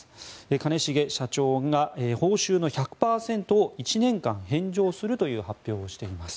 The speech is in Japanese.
兼重社長が報酬の１００％を１年間返上するという発表をしています。